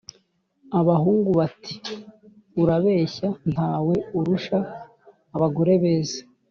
abahungu, bati: «urabeshya nta we urusha abagore beza»